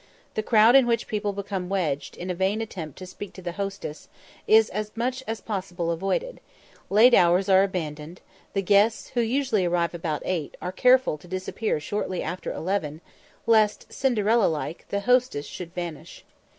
The crowd in which people become wedged, in a vain attempt to speak to the hostess, is as much as possible avoided; late hours are abandoned; the guests, who usually arrive about eight, are careful to disappear shortly after eleven, lest, Cinderella like, the hostess should vanish.